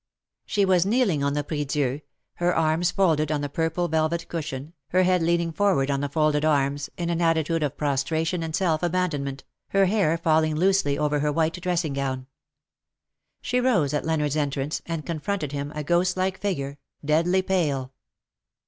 She was kneeling on the prie dieu, her arms folded on the purple velvet cushion, her head leaning forward on the folded arms, in an attitude of prostration and self abandonment, her hair falling loosely over her white dressing gown. She rose at Leonard's entrance, and confronted him, a ghost like figure, deadly pale.